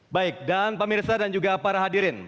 baik dan pak mirsa dan juga para hadirin